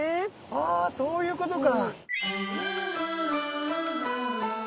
あそういうことか。